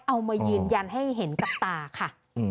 เอามายืนยันให้เห็นกับตาค่ะ